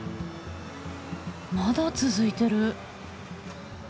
まだ続いてる。